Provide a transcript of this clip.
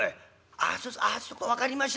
「ああそうすかあそこ分かりました。